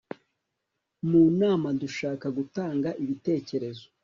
mu nama dushaka, gutanga ibitekerezo